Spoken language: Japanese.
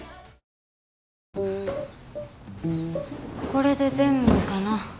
これで全部かな。